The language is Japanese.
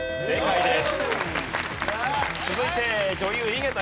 正解です。